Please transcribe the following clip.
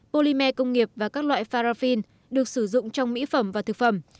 polymer công nghiệp và các loại paraffine được sử dụng trong mỹ phẩm và thực phẩm